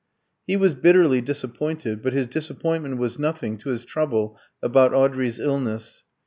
He was bitterly disappointed, but his disappointment was nothing to his trouble about Audrey's illness.